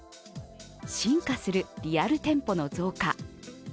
進化するリアル店舗の増加。